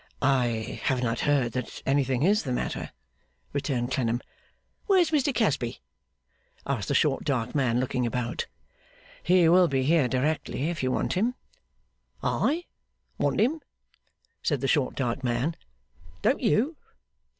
'I have not heard that anything is the matter,' returned Clennam. 'Where's Mr Casby?' asked the short dark man, looking about. 'He will be here directly, if you want him.' 'I want him?' said the short dark man. 'Don't you?